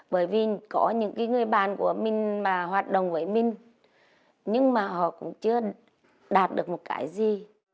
bởi vì có những người bạn của mình mà hoạt động với mình nhưng mà họ cũng chưa đạt được một cái gì